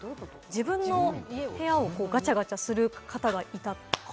自分の部屋をガチャガチャする方がいたっていう。